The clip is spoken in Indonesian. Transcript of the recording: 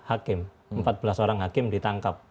hakim empat belas orang hakim ditangkap